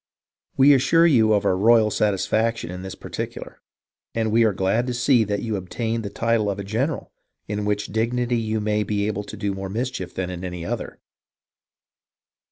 We assure you of our royal satisfaction in this par ticular, and we are glad to see that you obtained the title of a general, in which dignity you may be able to do more mischief than in any other.